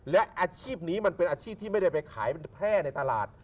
และอาชีพนี้มันเป็นอาชีพที่ไม่ได้ไปขายมันแพร่ในตลาด